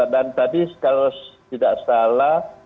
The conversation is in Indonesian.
dan tadi kalau tidak salah